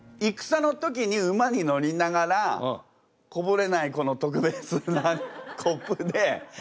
戦の時に馬に乗りながらこぼれないこの特別なコップでお酒飲んでたんですか？